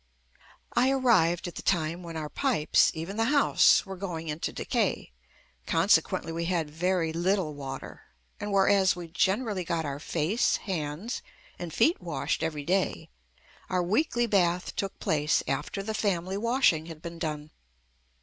I arrived at the time when our pipes, even the house, were going into decay, consequently we had very little water, and whereas we gen erally got our face, hands and feet washed JUST ME every day, our weekly bath took place after the family washing had been done.